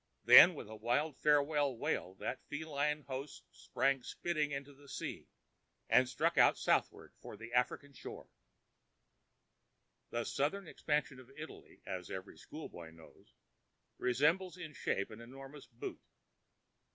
Then with a wild farewell wail that feline host sprang spitting into the sea and struck out southward for the African shore! The southern extension of Italy, as every schoolboy knows, resembles in shape an enormous boot.